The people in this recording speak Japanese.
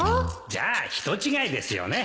じゃあ人違いですよね